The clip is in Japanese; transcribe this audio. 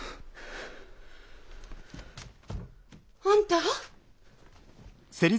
あんた。